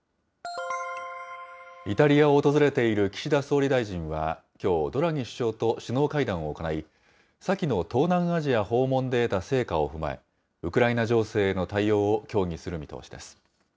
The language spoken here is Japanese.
イタリアを訪れている岸田総理大臣は、きょう、ドラギ首相と首脳会談を行い、先の東南アジア訪問で得た成果を踏まえ、ウクライナ情勢への対応を協議する見通しです。